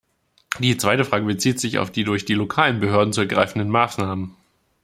Die zweite Frage bezieht sich auf die durch die lokalen Behörden zu ergreifenden Maßnahmen.